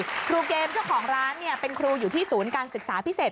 ครูเกมเจ้าของร้านเป็นครูอยู่ที่ศูนย์การศึกษาพิเศษ